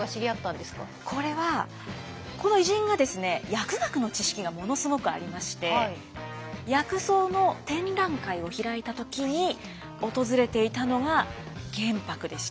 薬学の知識がものすごくありまして薬草の展覧会を開いた時に訪れていたのが玄白でした。